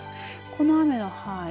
この雨の範囲